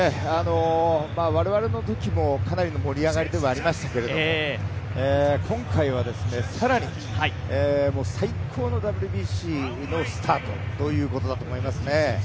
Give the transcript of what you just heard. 我々のときもかなりの盛り上がりではありましたけれども、今回は更に最高のＷＢＣのスタートということだと思いますね。